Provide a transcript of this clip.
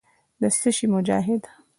د څه شي مجاهد.